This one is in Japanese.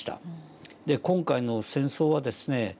今回の戦争はですね